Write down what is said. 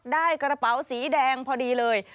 ได้กระเป๋าสีแดงพอดีเลย